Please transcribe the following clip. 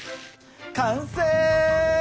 完成！